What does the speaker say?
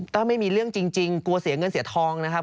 ถ้าไม่มีเรื่องจริงกลัวเสียเงินเสียทองนะครับ